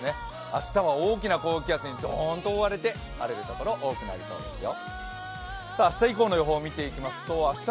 明日は大きな高気圧にドーンと覆われて、晴れる所多くなりそうですよ。